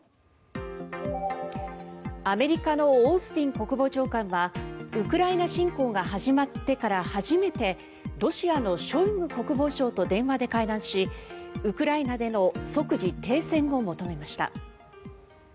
アメリカのオースティン国防長官はウクライナ侵攻が始まってから初めてロシアのショイグ国防相と電話で会談しウクライナでの即時停戦を求めました。